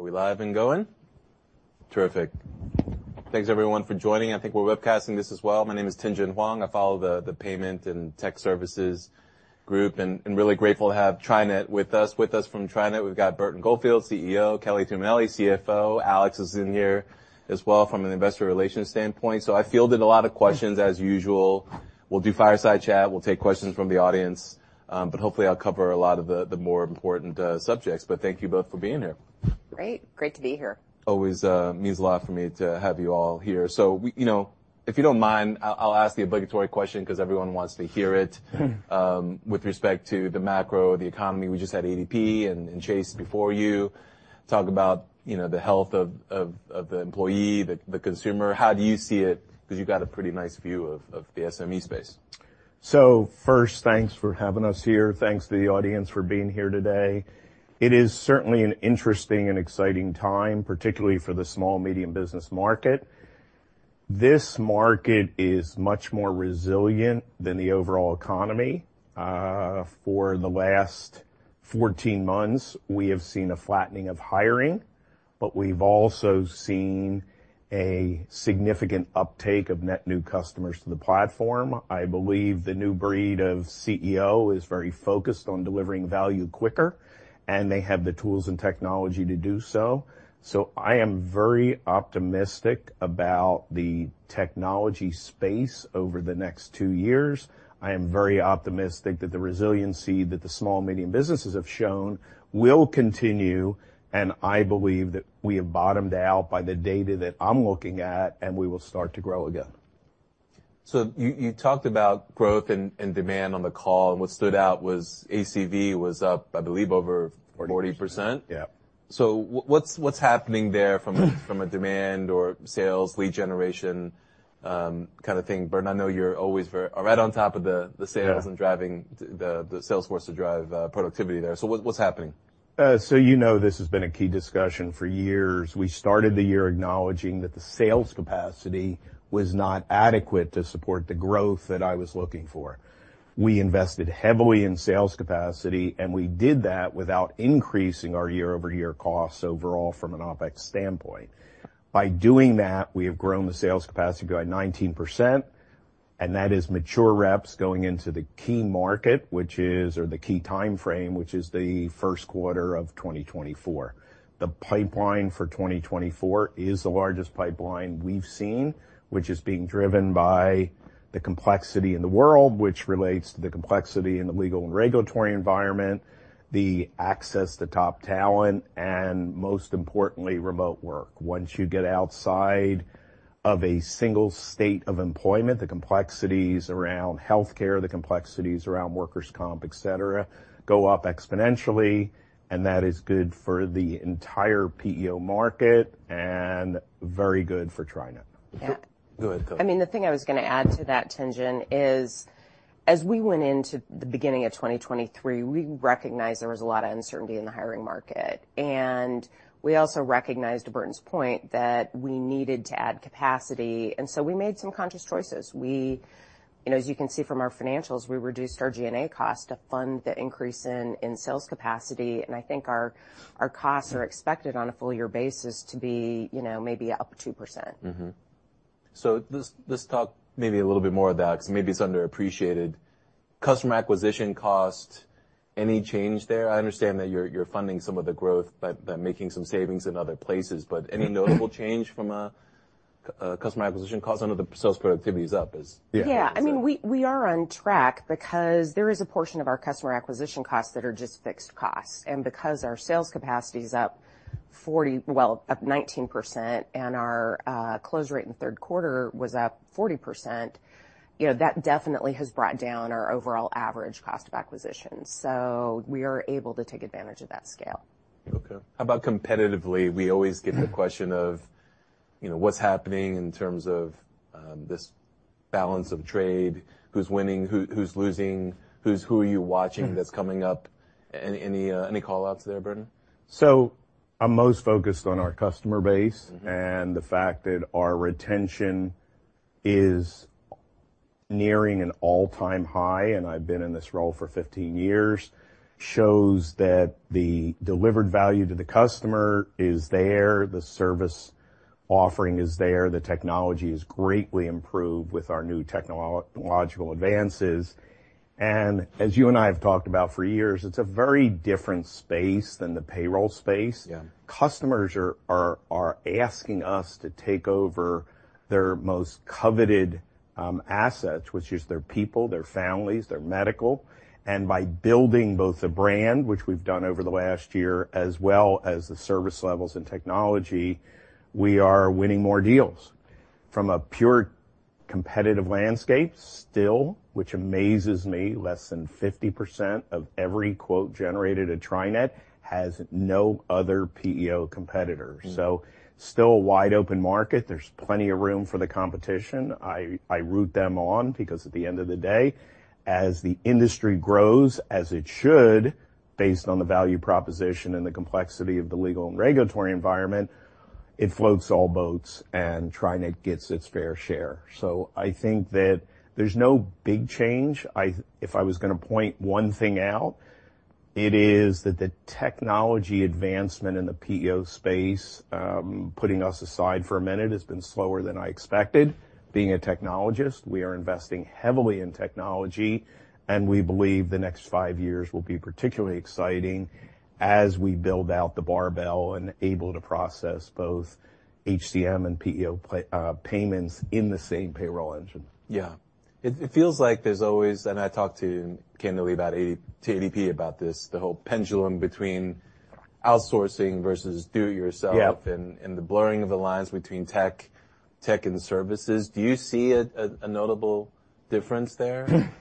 Are we live and going? Terrific. Thanks, everyone, for joining. I think we're webcasting this as well. My name is Tien-tsin Huang. I follow the payment and tech services group, and really grateful to have TriNet with us. With us from TriNet, we've got Burton Goldfield, CEO, Kelly Tuminelli, CFO. Alex is in here as well from an investor relations standpoint. So I fielded a lot of questions, as usual. We'll do fireside chat, we'll take questions from the audience, but hopefully, I'll cover a lot of the more important subjects. But thank you both for being here. Great. Great to be here. Always means a lot for me to have you all here. So, we-you know, if you don't mind, I'll ask the obligatory question 'cause everyone wants to hear it. With respect to the macro, the economy, we just had ADP and Chase before you talk about, you know, the health of the employee, the consumer. How do you see it? 'Cause you've got a pretty nice view of the SME space. So first, thanks for having us here. Thanks to the audience for being here today. It is certainly an interesting and exciting time, particularly for the small medium business market. This market is much more resilient than the overall economy. For the last 14 months, we have seen a flattening of hiring, but we've also seen a significant uptake of net new customers to the platform. I believe the new breed of CEO is very focused on delivering value quicker, and they have the tools and technology to do so. So I am very optimistic about the technology space over the next two years. I am very optimistic that the resiliency that the small, medium businesses have shown will continue, and I believe that we have bottomed out by the data that I'm looking at, and we will start to grow again. So you talked about growth and demand on the call, and what stood out was ACV was up, I believe, over 40%? 40. Yeah. So what's happening there from a demand or sales lead generation, kind of thing? Burton, I know you're always very-are right on top of the, the sales- Yeah and driving the salesforce to drive productivity there. So what's happening? So, you know, this has been a key discussion for years. We started the year acknowledging that the sales capacity was not adequate to support the growth that I was looking for. We invested heavily in sales capacity, and we did that without increasing our year-over-year costs overall from an OpEx standpoint. By doing that, we have grown the sales capacity by 19%, and that is mature reps going into the key market, which is-or the key time frame, which is the Q1 of 2024. The pipeline for 2024 is the largest pipeline we've seen, which is being driven by the complexity in the world, which relates to the complexity in the legal and regulatory environment, the access to top talent, and most importantly, remote work. Once you get outside of a single state of employment, the complexities around healthcare, the complexities around workers' comp, et cetera, go up exponentially, and that is good for the entire PEO market and very good for TriNet. Yeah. Go ahead, go. I mean, the thing I was gonna add to that, Tien-tsin, is as we went into the beginning of 2023, we recognized there was a lot of uncertainty in the hiring market, and we also recognized, to Burton's point, that we needed to add capacity, and so we made some conscious choices. You know, as you can see from our financials, we reduced our G&A cost to fund the increase in sales capacity, and I think our costs are expected on a full year basis to be, you know, maybe up 2%. Mm-hmm. So let's talk maybe a little bit more of that, because maybe it's underappreciated. Customer acquisition cost, any change there? I understand that you're funding some of the growth by making some savings in other places, but any notable change from a customer acquisition cost? I know the sales productivity is up, is- Yeah. Yeah, I mean, we, we are on track because there is a portion of our customer acquisition costs that are just fixed costs, and because our sales capacity is up forty-well, up 19%, and our close rate in the Q3 was up 40%, you know, that definitely has brought down our overall average cost of acquisition. So we are able to take advantage of that scale. Okay. How about competitively? We always get the question of, you know, what's happening in terms of this balance of trade, who's winning, who's losing, who are you watching that's coming up? Any call-outs there, Burton? I'm most focused on our customer base- Mm-hmm -and the fact that our retention is nearing an all-time high, and I've been in this role for 15 years, shows that the delivered value to the customer is there, the service offering is there, the technology is greatly improved with our new technological advances, and as you and I have talked about for years, it's a very different space than the payroll space. Yeah. Customers are asking us to take over their most coveted assets, which is their people, their families, their medical, and by building both the brand, which we've done over the last year, as well as the service levels and technology, we are winning more deals. From a pure competitive landscape, still, which amazes me, less than 50% of every quote generated at TriNet has no other PEO competitor. Mm-hmm. So still a wide-open market. There's plenty of room for the competition. I, I root them on because at the end of the day, as the industry grows, as it should, based on the value proposition and the complexity of the legal and regulatory environment, it floats all boats, and TriNet gets its fair share. So I think that there's no big change. I, if I was gonna point one thing out, it is that the technology advancement in the PEO space, putting us aside for a minute, has been slower than I expected. Being a technologist, we are investing heavily in technology, and we believe the next five years will be particularly exciting as we build out the barbell and able to process both HCM and PEO payments in the same payroll engine. Yeah. It feels like there's always... And I talked to ADP, candidly, about this, the whole pendulum between outsourcing versus do-it-yourself- Yeah And the blurring of the lines between tech and services. Do you see a notable difference there?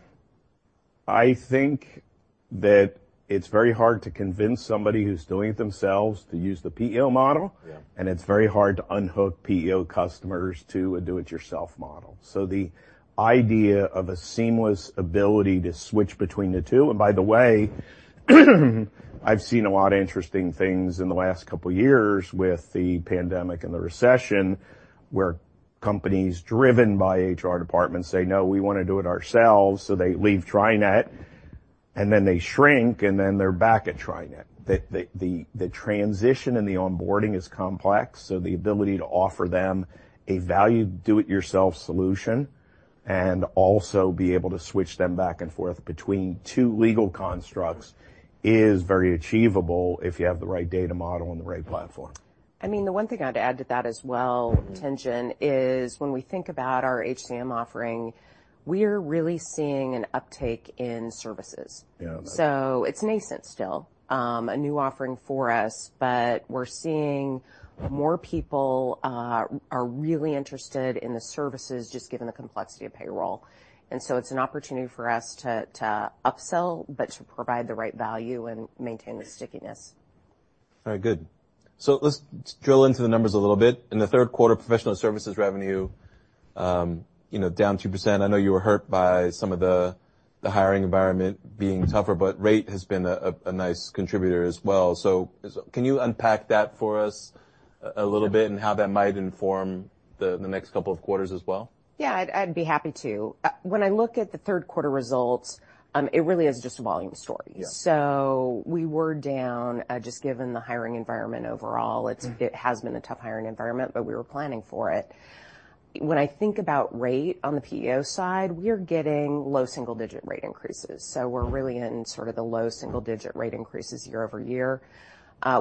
I think that it's very hard to convince somebody who's doing it themselves to use the PEO model. Yeah. And it's very hard to unhook PEO customers to a do-it-yourself model. So the idea of a seamless ability to switch between the two. And by the way, I've seen a lot of interesting things in the last couple of years with the pandemic and the recession, where companies, driven by HR departments, say, "No, we want to do it ourselves," so they leave TriNet, and then they shrink, and then they're back at TriNet. The transition and the onboarding is complex, so the ability to offer them a value do-it-yourself solution and also be able to switch them back and forth between two legal constructs is very achievable if you have the right data model and the right platform. I mean, the one thing I'd add to that as well, Tien-Tsin, is when we think about our HCM offering, we're really seeing an uptake in services. Yeah. So it's nascent still, a new offering for us, but we're seeing more people are really interested in the services, just given the complexity of payroll. And so it's an opportunity for us to upsell, but to provide the right value and maintain the stickiness. Very good. So let's drill into the numbers a little bit. In the Q3, professional services revenue, you know, down 2%. I know you were hurt by some of the hiring environment being tougher, but rate has been a nice contributor as well. Can you unpack that for us a little bit and how that might inform the next couple of quarters as well? Yeah, I'd be happy to. When I look at the Q3 results, it really is just a volume story. Yeah. So we were down, just given the hiring environment overall. Mm-hmm. It has been a tough hiring environment, but we were planning for it. When I think about rate on the PEO side, we're getting low single-digit rate increases, so we're really in sort of the low single-digit rate increases year-over-year.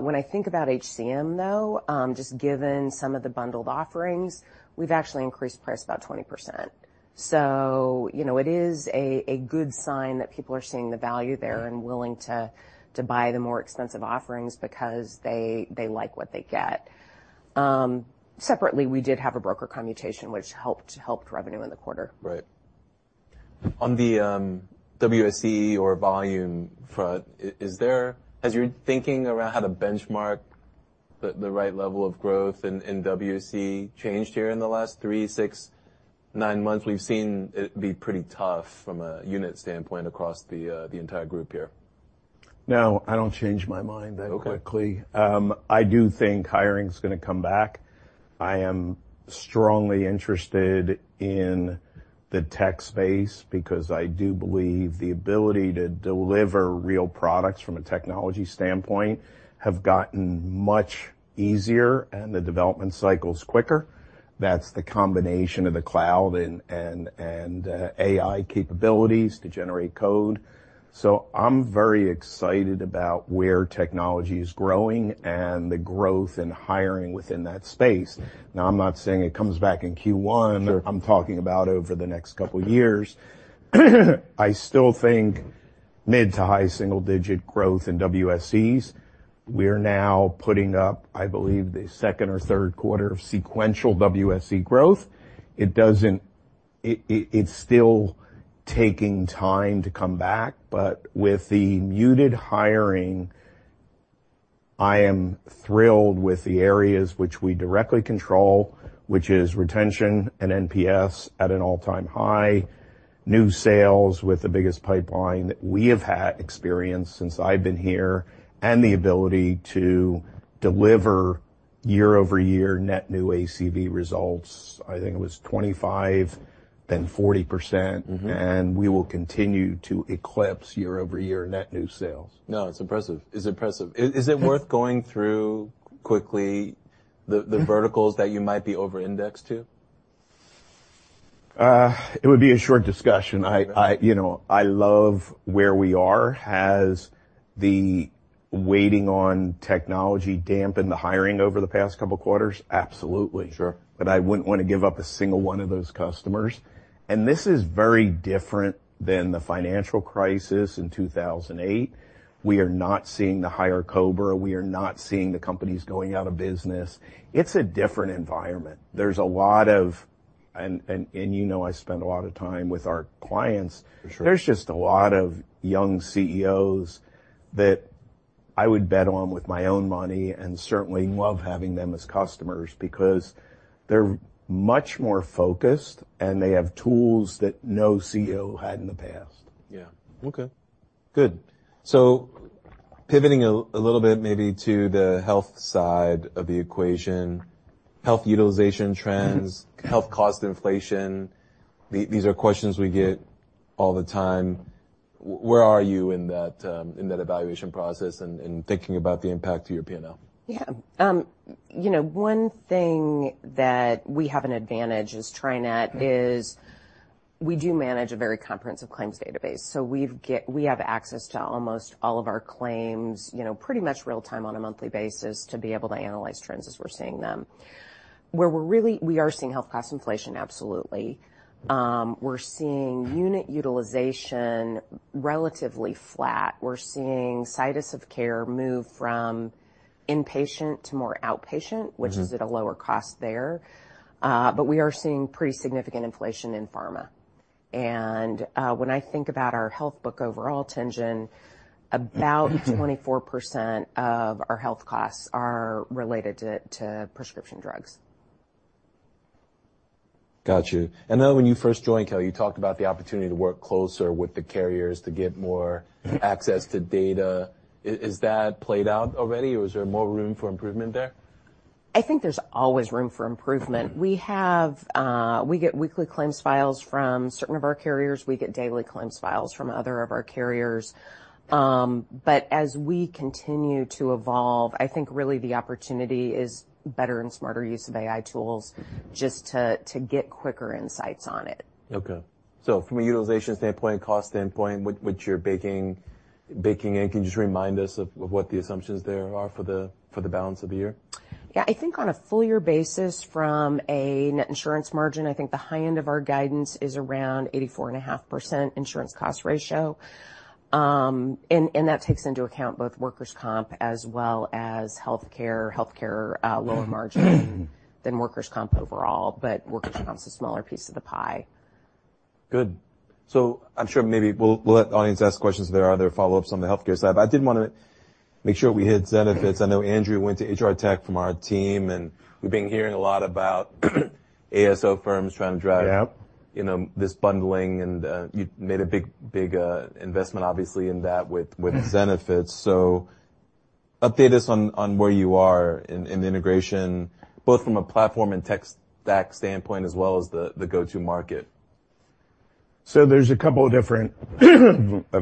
When I think about HCM, though, just given some of the bundled offerings, we've actually increased price about 20%. So, you know, it is a good sign that people are seeing the value there- Yeah -and willing to buy the more expensive offerings because they like what they get. Separately, we did have a broker commission, which helped revenue in the quarter. Right. On the WSE or volume front, is there... Has your thinking around how to benchmark the right level of growth in WSE changed here in the last three, six, nine months? We've seen it be pretty tough from a unit standpoint across the entire group here. No, I don't change my mind that quickly. Okay. I do think hiring is gonna come back. I am strongly interested in the tech space because I do believe the ability to deliver real products from a technology standpoint have gotten much easier and the development cycles quicker. That's the combination of the cloud and AI capabilities to generate code. So I'm very excited about where technology is growing and the growth in hiring within that space. Now, I'm not saying it comes back in Q1. Sure. I'm talking about over the next couple of years. I still think mid to high single digit growth in WSEs. We're now putting up, I believe, the second or Q3 of sequential WSE growth. It doesn't, it's still taking time to come back, but with the muted hiring, I am thrilled with the areas which we directly control, which is retention and NPS at an all-time high, new sales with the biggest pipeline that we have had experience since I've been here, and the ability to deliver year-over-year net new ACV results. I think it was 25, then 40%. Mm-hmm. We will continue to eclipse year-over-year net new sales. No, it's impressive. It's impressive. Yeah. Is it worth going through, quickly, the verticals that you might be over indexed to? It would be a short discussion. You know, I love where we are. Has the waiting on technology dampened the hiring over the past couple of quarters? Absolutely. Sure. But I wouldn't want to give up a single one of those customers, and this is very different than the financial crisis in 2008. We are not seeing the higher COBRA. We are not seeing the companies going out of business. It's a different environment. There's a lot of... you know, I spend a lot of time with our clients. For sure. There's just a lot of young CEOs that I would bet on with my own money and certainly love having them as customers because they're much more focused, and they have tools that no CEO had in the past. Yeah. Okay. Good. So pivoting a little bit maybe to the health side of the equation, health utilization trends, health cost inflation, these are questions we get all the time. Where are you in that evaluation process and thinking about the impact to your P&L? Yeah. You know, one thing that we have an advantage as TriNet is we do manage a very comprehensive claims database. So we have access to almost all of our claims, you know, pretty much real time on a monthly basis, to be able to analyze trends as we're seeing them. We are seeing health cost inflation, absolutely. We're seeing unit utilization relatively flat. We're seeing sites of care move from inpatient to more outpatient- Mm-hmm. -which is at a lower cost there. But we are seeing pretty significant inflation in pharma. And when I think about our health book overall, Tien-Tsin, about 24% of our health costs are related to prescription drugs. Got you. And then when you first joined, Kelly, you talked about the opportunity to work closer with the carriers to get more access to data. Is that played out already, or is there more room for improvement there? I think there's always room for improvement. We have. We get weekly claims files from certain of our carriers. We get daily claims files from other of our carriers. But as we continue to evolve, I think really the opportunity is better and smarter use of AI tools just to, to get quicker insights on it. Okay. So from a utilization standpoint, cost standpoint, what you're baking in, can you just remind us of what the assumptions there are for the balance of the year? Yeah. I think on a full year basis from a net insurance margin, I think the high end of our guidance is around 84.5% insurance cost ratio. And that takes into account both workers' comp as well as healthcare. Healthcare, lower margin than workers' comp overall, but workers' comp is a smaller piece of the pie. Good. So I'm sure maybe we'll, we'll let the audience ask questions if there are other follow-ups on the healthcare side, but I did wanna make sure we hit Zenefits. I know Andrew went to HR Tech from our team, and we've been hearing a lot about ASO firms trying to drive- Yep. You know, this bundling, and you made a big, big investment obviously in that with Zenefits. So update us on where you are in the integration, both from a platform and tech stack standpoint, as well as the go-to-market. So there's a couple of different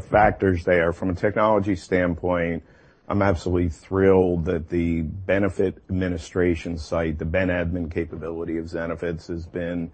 factors there. From a technology standpoint, I'm absolutely thrilled that the benefit administration site, the ben admin capability of Zenefits, has been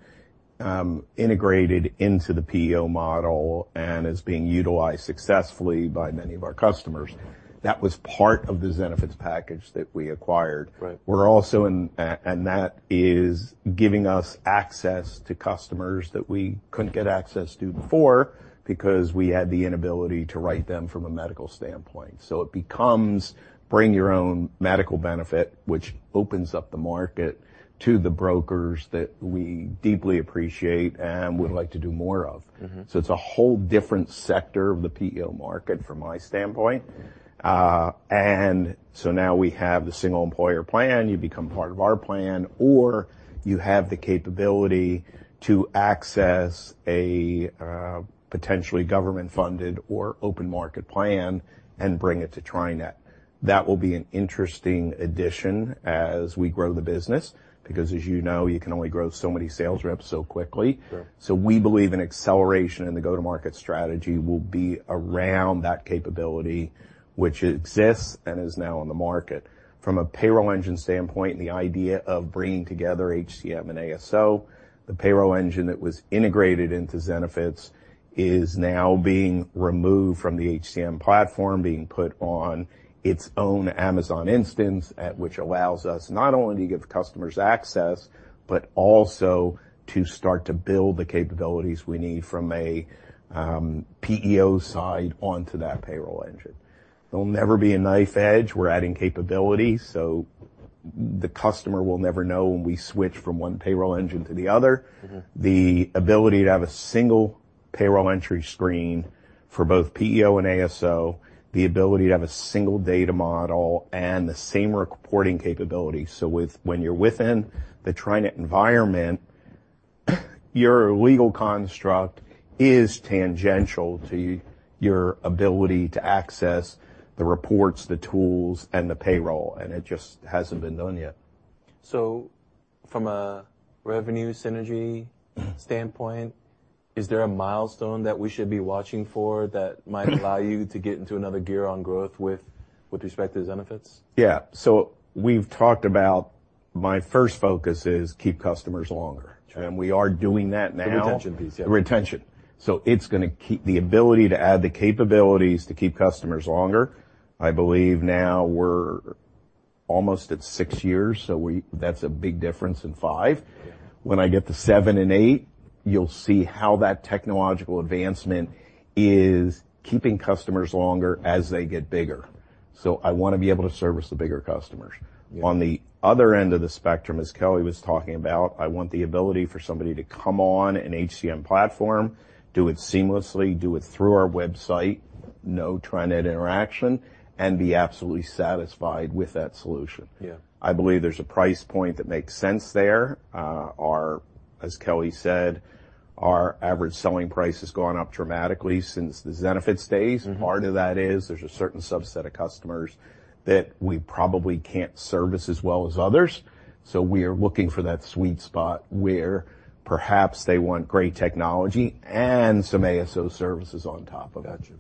integrated into the PEO model and is being utilized successfully by many of our customers. That was part of the Zenefits package that we acquired. Right. We're also in ASO, and that is giving us access to customers that we couldn't get access to before because we had the inability to write them from a medical standpoint. So it becomes bring your own medical benefit, which opens up the market to the brokers that we deeply appreciate and would like to do more of. Mm-hmm. So it's a whole different sector of the PEO market, from my standpoint. And so now we have the single employer plan. You become part of our plan, or you have the capability to access a potentially government-funded or open market plan and bring it to TriNet. That will be an interesting addition as we grow the business because, as you know, you can only grow so many sales reps so quickly. Sure. So we believe an acceleration in the go-to-market strategy will be around that capability, which exists and is now on the market. From a payroll engine standpoint, the idea of bringing together HCM and ASO, the payroll engine that was integrated into Zenefits is now being removed from the HCM platform, being put on its own Amazon instance, at which allows us not only to give customers access, but also to start to build the capabilities we need from a PEO side onto that payroll engine. It'll never be a knife edge. We're adding capabilities, so the customer will never know when we switch from one payroll engine to the other. Mm-hmm. The ability to have a single payroll entry screen for both PEO and ASO, the ability to have a single data model, and the same reporting capability. So when you're within the TriNet environment, your legal construct is tangential to your ability to access the reports, the tools, and the payroll, and it just hasn't been done yet. So from a revenue synergy standpoint, is there a milestone that we should be watching for that might allow you to get into another gear on growth with, with respect to Zenefits? Yeah. So we've talked about my first focus is keep customers longer- Sure. And we are doing that now. The retention piece, yeah. Retention. So it's gonna keep the ability to add the capabilities to keep customers longer. I believe now we're almost at six years, so we-that's a big difference in five. Yeah. When I get to seven and eight, you'll see how that technological advancement is keeping customers longer as they get bigger. So I wanna be able to service the bigger customers. Yeah. On the other end of the spectrum, as Kelly was talking about, I want the ability for somebody to come on an HCM platform, do it seamlessly, do it through our website, no TriNet interaction, and be absolutely satisfied with that solution. Yeah. I believe there's a price point that makes sense there. As Kelly said, our average selling price has gone up dramatically since the Zenefits days. Mm-hmm. Part of that is there's a certain subset of customers that we probably can't service as well as others, so we are looking for that sweet spot where perhaps they want great technology and some ASO services on top of it. Gotcha.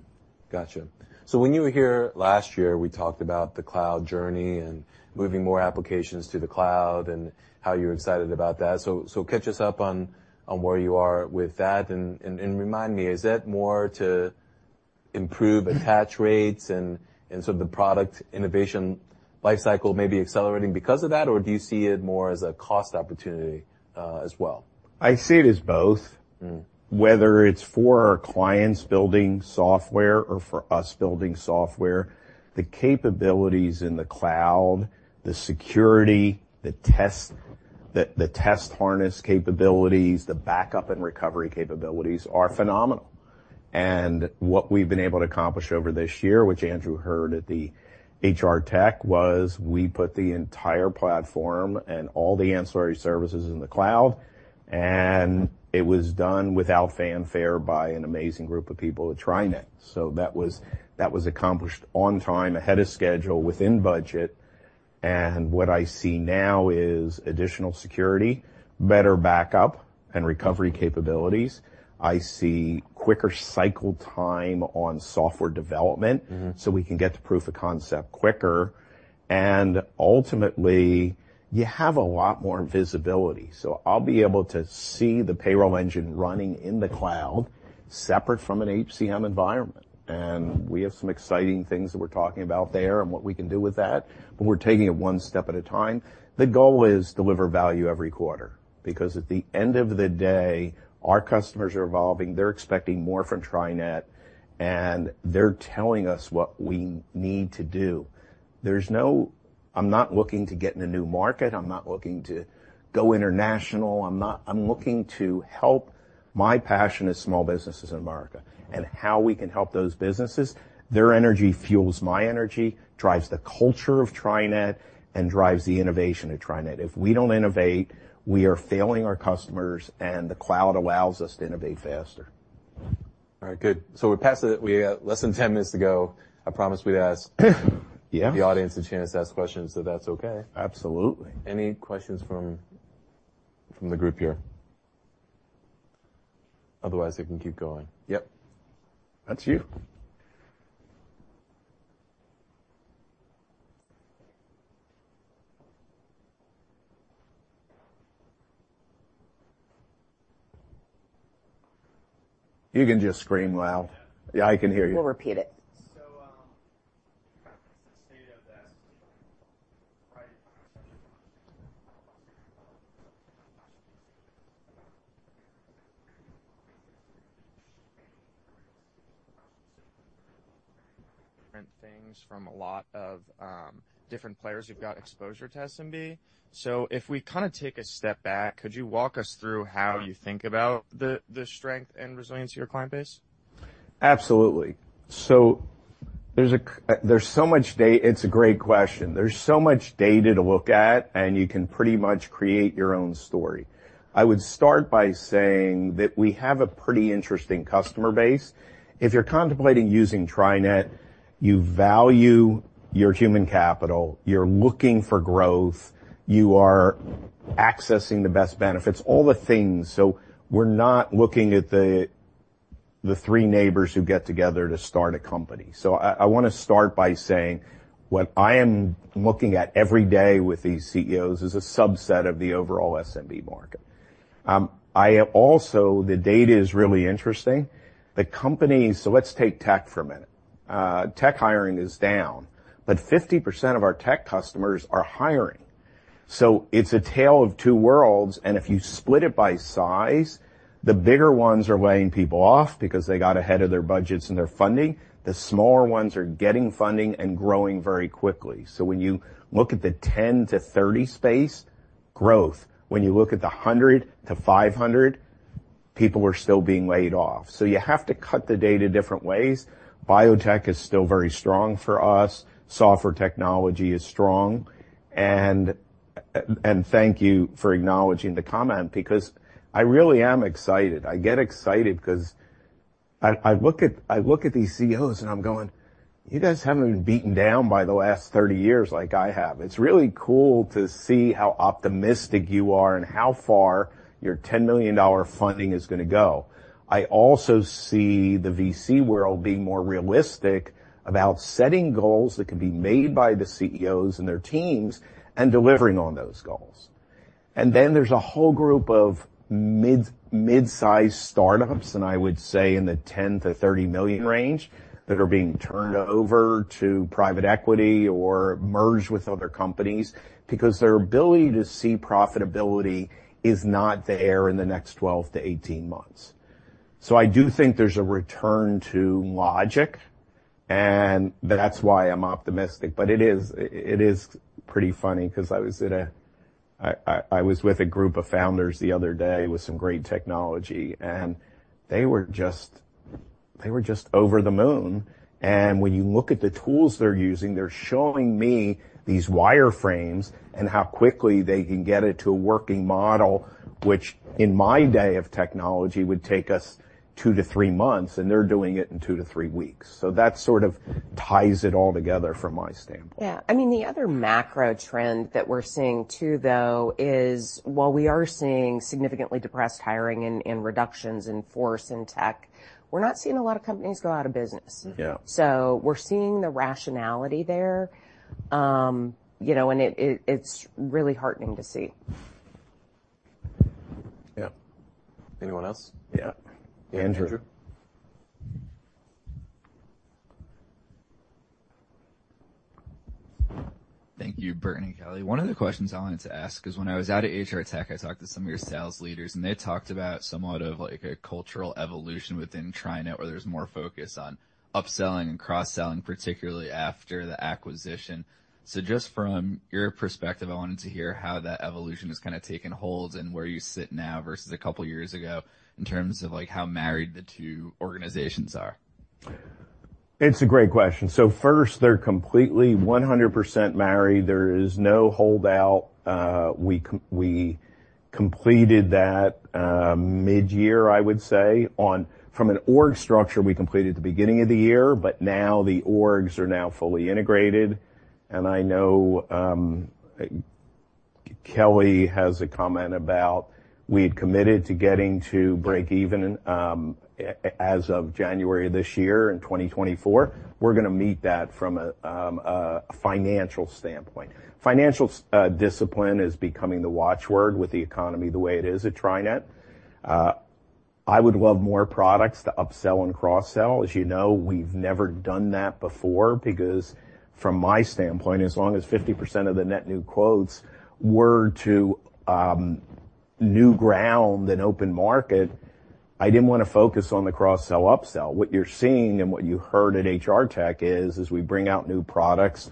Gotcha. So when you were here last year, we talked about the cloud journey and moving more applications to the cloud and how you're excited about that. So catch us up on where you are with that, and remind me, is that more to improve attach rates and so the product innovation life cycle may be accelerating because of that? Or do you see it more as a cost opportunity, as well? I see it as both. Mm. Whether it's for our clients building software or for us building software, the capabilities in the cloud, the security, the test, the test harness capabilities, the backup and recovery capabilities are phenomenal. What we've been able to accomplish over this year, which Andrew heard at the HR Tech, was we put the entire platform and all the ancillary services in the cloud, and it was done without fanfare by an amazing group of people at TriNet. That was accomplished on time, ahead of schedule, within budget, and what I see now is additional security, better backup and recovery capabilities. I see quicker cycle time on software development. Mm-hmm. So we can get to proof of concept quicker, and ultimately, you have a lot more visibility. So I'll be able to see the payroll engine running in the cloud, separate from an HCM environment. Mm. We have some exciting things that we're talking about there and what we can do with that, but we're taking it one step at a time. The goal is deliver value every quarter, because at the end of the day, our customers are evolving. They're expecting more from TriNet, and they're telling us what we need to do. There's no- I'm not looking to get in a new market. I'm not looking to go international. I'm not-- I'm looking to help... My passion is small businesses in America, and how we can help those businesses, their energy fuels my energy, drives the culture of TriNet, and drives the innovation at TriNet. If we don't innovate, we are failing our customers, and the cloud allows us to innovate faster. All right. Good. So we're past the, we have less than 10 minutes to go. I promised we'd ask- Yeah. the audience a chance to ask questions, so that's okay. Absolutely. Any questions from the group here? Otherwise, I can keep going. Yep. That's you. You can just scream loud. Yeah. Yeah, I can hear you. We'll repeat it. So, the state of the SMB, right? Different things from a lot of, different players who've got exposure to SMB. So if we kind of take a step back, could you walk us through how you think about the, the strength and resilience of your client base? Absolutely. So there's so much data. It's a great question. There's so much data to look at, and you can pretty much create your own story. I would start by saying that we have a pretty interesting customer base. If you're contemplating using TriNet, you value your human capital, you're looking for growth, you are accessing the best benefits, all the things. So we're not looking at the, the three neighbors who get together to start a company. So I want to start by saying, what I am looking at every day with these CEOs is a subset of the overall SMB market. I also... The data is really interesting. The companies. So let's take tech for a minute. Tech hiring is down, but 50% of our tech customers are hiring. So it's a tale of two worlds, and if you split it by size, the bigger ones are laying people off because they got ahead of their budgets and their funding. The smaller ones are getting funding and growing very quickly. So when you look at the 10-30 space, growth, when you look at the 100-500, people are still being laid off. So you have to cut the data different ways. Biotech is still very strong for us. Software technology is strong. And, and thank you for acknowledging the comment, because I really am excited. I get excited because I, I look at, I look at these CEOs, and I'm going: You guys haven't been beaten down by the last 30 years like I have. It's really cool to see how optimistic you are and how far your $10 million funding is going to go. I also see the VC world being more realistic about setting goals that can be made by the CEOs and their teams, and delivering on those goals. And then there's a whole group of mid-sized startups, and I would say in the $10 million-$30 million range, that are being turned over to private equity or merged with other companies because their ability to see profitability is not there in the next 12-18 months. So I do think there's a return to logic, and that's why I'm optimistic. But it is pretty funny because I was in a... I was with a group of founders the other day with some great technology, and they were just-... They were just over the moon. When you look at the tools they're using, they're showing me these wireframes and how quickly they can get it to a working model, which in my day of technology, would take us 2-3 months, and they're doing it in 2-3 weeks. That sort of ties it all together from my standpoint. Yeah. I mean, the other macro trend that we're seeing, too, though, is while we are seeing significantly depressed hiring and reductions in force in tech, we're not seeing a lot of companies go out of business. Yeah. We're seeing the rationality there, you know, and it, it's really heartening to see. Yeah. Anyone else? Yeah. Andrew? Andrew. Thank you, Burton and Kelly. One of the questions I wanted to ask is, when I was out at HR Tech, I talked to some of your sales leaders, and they talked about somewhat of, like, a cultural evolution within TriNet, where there's more focus on upselling and cross-selling, particularly after the acquisition. So just from your perspective, I wanted to hear how that evolution has kind of taken hold and where you sit now versus a couple of years ago in terms of, like, how married the two organizations are? It's a great question. So first, they're completely 100% married. There is no holdout. We completed that mid-year, I would say. From an org structure, we completed the beginning of the year, but now the orgs are now fully integrated, and I know Kelly has a comment about. We had committed to getting to break even as of January this year, in 2024. We're going to meet that from a financial standpoint. Financial discipline is becoming the watchword with the economy the way it is at TriNet. I would love more products to upsell and cross-sell. As you know, we've never done that before because from my standpoint, as long as 50% of the net new quotes were to new ground and open market, I didn't want to focus on the cross-sell, upsell. What you're seeing and what you heard at HR Tech is, as we bring out new products,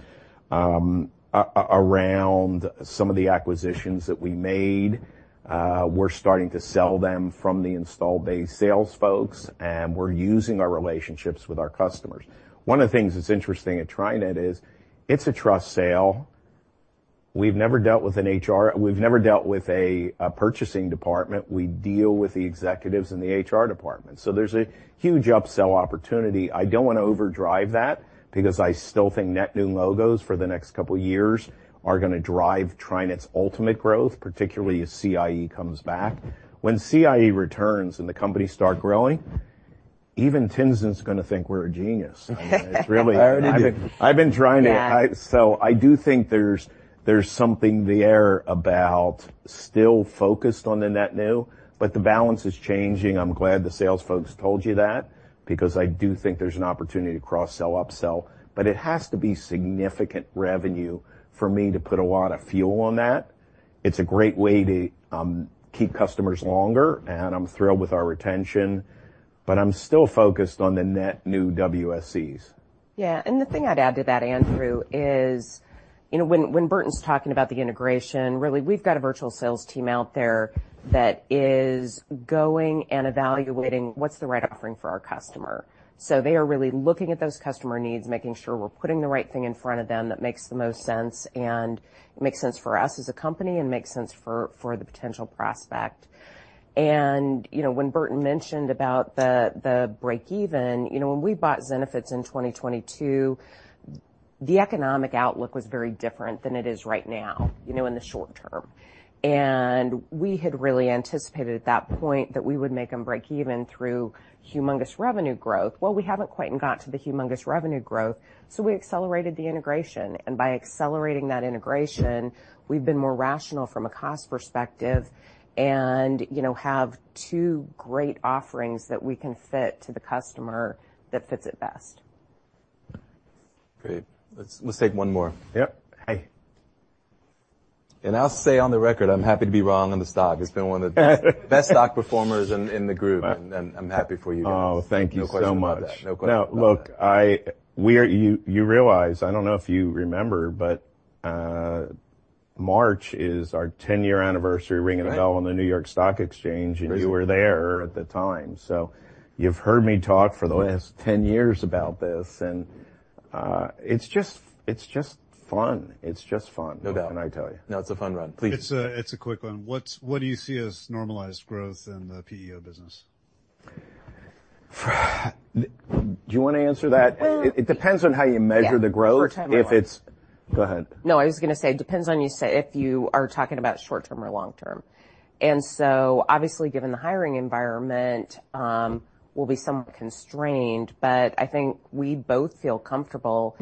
around some of the acquisitions that we made, we're starting to sell them from the installed base sales folks, and we're using our relationships with our customers. One of the things that's interesting at TriNet is it's a trust sale. We've never dealt with a purchasing department. We deal with the executives in the HR department, so there's a huge upsell opportunity. I don't want to overdrive that because I still think net new logos for the next couple of years are going to drive TriNet's ultimate growth, particularly as CIE comes back. When CIE returns and the company start growing, even Tien-tsin's going to think we're a genius. I mean, it's really- I already do. I've been trying to- Yeah. So I do think there's something there about still focused on the net new, but the balance is changing. I'm glad the sales folks told you that, because I do think there's an opportunity to cross-sell, upsell, but it has to be significant revenue for me to put a lot of fuel on that. It's a great way to keep customers longer, and I'm thrilled with our retention, but I'm still focused on the net new WSEs. Yeah, and the thing I'd add to that, Andrew, is, you know, when Burton's talking about the integration, really, we've got a virtual sales team out there that is going and evaluating what's the right offering for our customer. So they are really looking at those customer needs, making sure we're putting the right thing in front of them that makes the most sense, and makes sense for us as a company, and makes sense for the potential prospect. And, you know, when Burton mentioned about the break even, you know, when we bought Zenefits in 2022, the economic outlook was very different than it is right now, you know, in the short term. And we had really anticipated at that point that we would make them break even through humongous revenue growth. Well, we haven't quite got to the humongous revenue growth, so we accelerated the integration, and by accelerating that integration, we've been more rational from a cost perspective and, you know, have two great offerings that we can fit to the customer that fits it best. Great. Let's take one more. Yep. Hey. I'll say on the record, I'm happy to be wrong on the stock. It's been one of the best stock performers in the group, and I'm happy for you guys. Oh, thank you so much. No question about that. No question about that. Now, look, we are... You, you realize, I don't know if you remember, but, March is our ten-year anniversary- Right... ringing a bell on the New York Stock Exchange, and you were there at the time. So you've heard me talk for the last 10 years about this, and, it's just, it's just fun. It's just fun. No doubt. What can I tell you? No, it's a fun run. Please. It's a quick one. What do you see as normalized growth in the PEO business? Do you want to answer that? Well- It depends on how you measure the growth. Yeah, short term or long term. If it's... Go ahead. No, I was going to say, it depends on you say if you are talking about short term or long term. And so obviously, given the hiring environment, we'll be somewhat constrained, but I think we both feel comfortable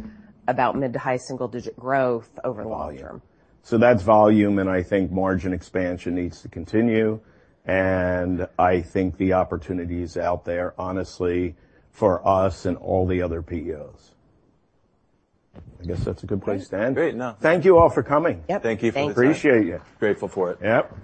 about mid- to high-single-digit growth over the long term. Volume. So that's volume, and I think margin expansion needs to continue, and I think the opportunity is out there, honestly, for us and all the other PEOs. I guess that's a good place to end. Great. Now.Thank you all for coming. Yep. Thank you for the time. Appreciate you. Grateful for it. Yep.